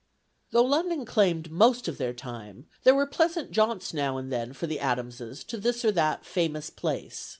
Though London claimed most of their time, there were pleasant jaunts now and then for the Adamses, to this or that famous place.